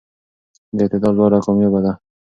د اعتدال لاره کاميابه ده.